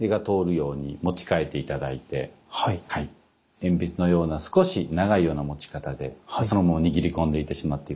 鉛筆のような少し長いような持ち方でそのまま握り込んでしまって下さい。